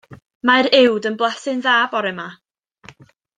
Mae'r uwd yn blasu'n dda bore 'ma.